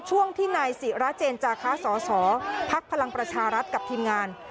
ช่วงที่นายศิราเจนจาคะสสพลังประชารัฐกับทีมงาน